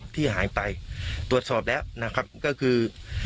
ที่หายไปตรวจสอบแล้วก็คือ